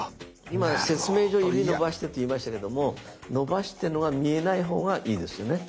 今説明上指伸ばしてと言いましたけども伸ばしてるのが見えない方がいいですよね。